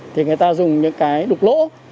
thì người ta dùng những cái đục lỗ